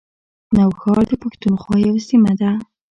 نوښار د پښتونخوا یوه سیمه ده